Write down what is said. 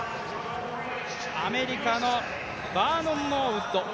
アメリカのバーノン・ノーウッド。